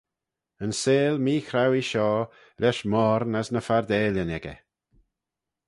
Yn seihll meechrauee shoh, lesh moyrn as ny fardailyn echey.